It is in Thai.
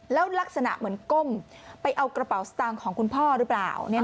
แล้วลักษณะเหมือนก้มไปเอากระเป๋าสตางค์ของคุณพ่อหรือเปล่า